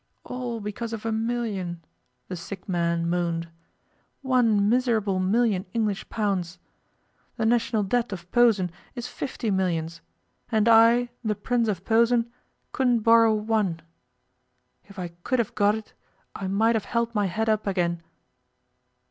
'All because of a million,' the sick man moaned. 'One miserable million English pounds. The national debt of Posen is fifty millions, and I, the Prince of Posen, couldn't borrow one. If I could have got it, I might have held my head up again.